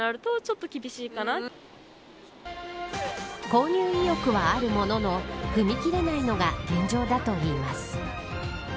購入意欲はあるものの踏み切れないのが現状だといいます。